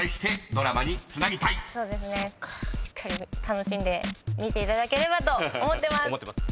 しっかり楽しんで見ていただければと思ってます。